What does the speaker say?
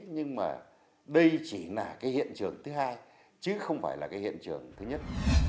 nhưng mà đây chỉ là cái hiện trường thứ hai chứ không phải là cái hiện trường thứ nhất